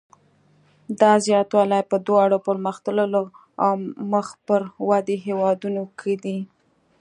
دا زیاتوالی په دواړو پرمختللو او مخ پر ودې هېوادونو کې دی.